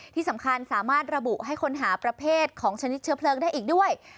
ที่สำคัญสามารถระบุให้ค้นหาประเภทของชนิดเชื้อเพลิงได้อีกด้วย